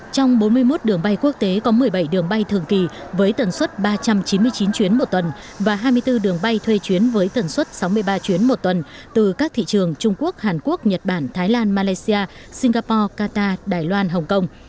trong bốn mươi một đường bay quốc tế có một mươi bảy đường bay thường kỳ với tần suất ba trăm chín mươi chín chuyến một tuần và hai mươi bốn đường bay thuê chuyến với tần suất sáu mươi ba chuyến một tuần từ các thị trường trung quốc hàn quốc nhật bản thái lan malaysia singapore qatar đài loan hồng kông